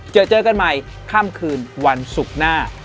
เจอเจอกันใหม่ค่ำคืนวันศุกร์หน้า